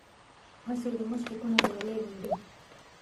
هسې د مچ په کونه ډبلی منډي.